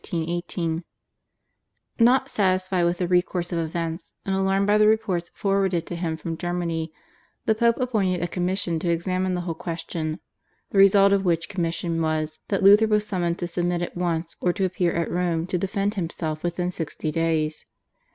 Not satisfied with the course of events, and alarmed by the reports forwarded to him from Germany, the Pope appointed a commission to examine the whole question, the result of which commission was that Luther was summoned to submit at once or to appear at Rome to defend himself within sixty days.